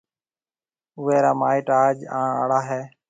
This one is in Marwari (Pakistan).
اُوئي را مائيٽ آج آڻ آݪا هيَ۔